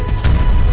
ya udah aku nelfon